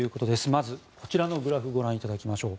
まずこちらのグラフご覧いただきましょう。